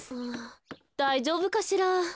だいじょうぶかしら？